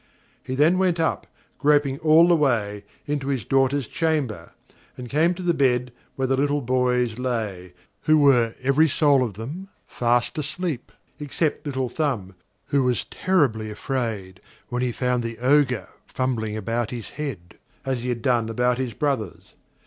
He then went up, groping all the way, into his daughters' chamber; and came to the bed where the little boys lay, who were every soul of them fast asleep; except Little Thumb, who was terribly afraid when he found the Ogre fumbling about his head, as he had done about his brothers'.